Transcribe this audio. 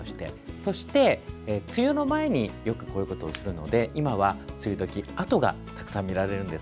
そして、梅雨の前によくこういうことをするので梅雨時あとがたくさん見られるんです。